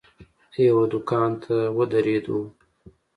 یوه دوکان ته ودرېدو.